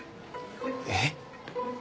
えっ？